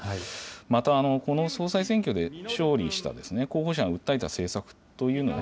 またこの総裁選挙で勝利した候補者が訴えた政策というのは。